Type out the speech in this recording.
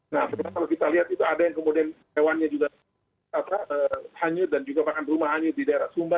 nah sekarang kalau kita lihat itu ada yang kemudian hewannya juga hanyut dan juga bahkan rumah hanyut di daerah sumba